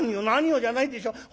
「何をじゃないでしょ。